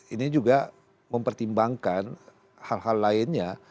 ini juga mempertimbangkan hal hal lainnya